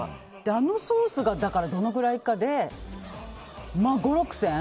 あのソースがどのぐらいかで５０００６０００円